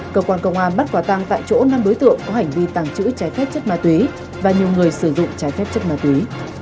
cơ quan công an bắt quả tăng tại chỗ năm đối tượng có hành vi tàng trữ trái phép chất ma túy và nhiều người sử dụng trái phép chất ma túy